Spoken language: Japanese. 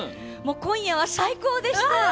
今夜は最高でした！